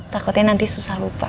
takutnya nanti susah lupa